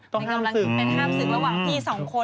ต้องห้ามสึก